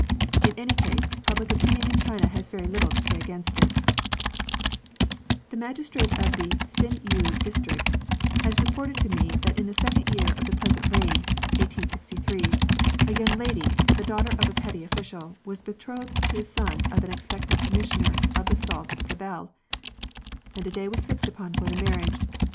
In any case, public opinion in China has very little to say against it :—" The magistrate of the Hsin yu district has reported to me that in the second year of the present reign (1863) a young lady, the daughter of a petty official, was betrothed to the son of an expec tant commissioner of the Salt Gabelle, and a day was fixed upon for the marriage.